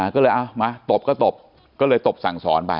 ก็เลยเอามาตบก็ตบก็เลยตบสั่งสอนไป